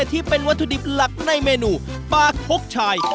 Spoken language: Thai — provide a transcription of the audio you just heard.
ที่เป็นวัตถุดิบหลักในเมนูปลาคกชาย